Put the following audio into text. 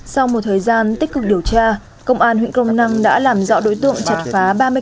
sau một thời gian tích cực điều tra công an huyện công năm đã làm dọa đối tượng chặt phá